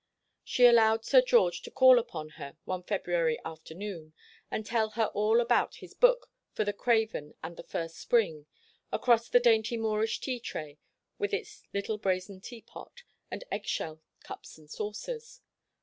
She allowed Sir George to call upon her one February afternoon, and tell her all about his book for the Craven and the First Spring, across the dainty Moorish tea tray, with its little brazen tea pot, and eggshell cups and saucers.